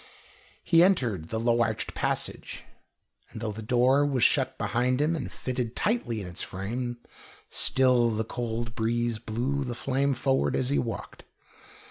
He entered the low arched passage, and though the door was shut behind him and fitted tightly in its frame, still the cold breeze blew the flame forward as he walked.